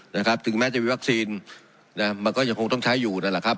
นะครับถึงแม้จะมีวัคซีนนะมันก็ยังคงต้องใช้อยู่นั่นแหละครับ